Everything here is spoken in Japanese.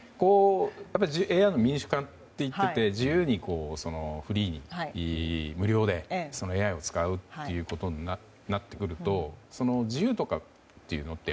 ＡＩの民主化といって自由に、フリーに無料でＡＩを使うということになってくると自由とかっていうのって